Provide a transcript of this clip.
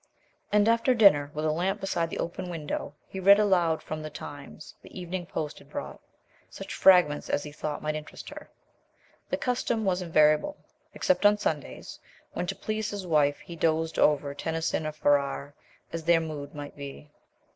And after dinner, with a lamp beside the open window, he read aloud from _ The Times_ the evening post had brought, such fragments as he thought might interest her. The custom was invariable, except on Sundays, when, to please his wife, he dozed over Tennyson or Farrar as their mood might be.